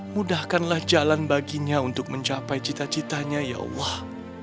mudahkanlah jalan baginya untuk mencapai cita citanya ya allah